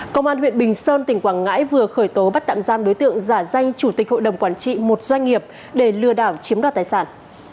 công an huyện bình sơn tỉnh quảng ngãi vừa khởi tố bắt tạm giam đối tượng giả danh chủ tịch hội đồng quản trị một doanh nghiệp để lừa đảo chiếm đoạt tài sản